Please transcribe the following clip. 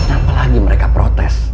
apa lagi mereka protes